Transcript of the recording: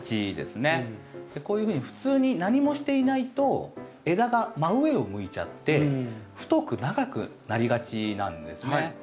こういうふうに普通に何もしていないと枝が真上を向いちゃって太く長くなりがちなんですね。